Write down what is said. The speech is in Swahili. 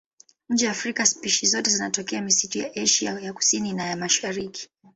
Nje ya Afrika spishi zote zinatokea misitu ya Asia ya Kusini na ya Mashariki.